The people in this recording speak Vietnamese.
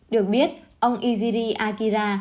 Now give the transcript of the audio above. được biết ông iziri akira